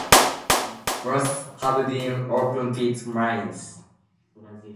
Both have been open-pit mines.